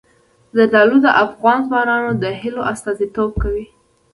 زردالو د افغان ځوانانو د هیلو استازیتوب کوي.